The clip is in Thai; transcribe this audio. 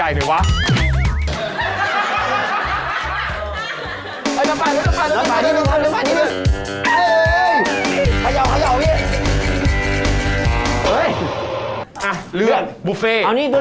อันไหนพี่พี่